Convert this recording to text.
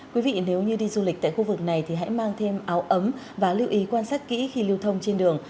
quý vị nếu như đi du lịch tại khu vực này thì hãy mang thêm áo ấm và lưu ý quan sát kỹ khi lưu thông trên đường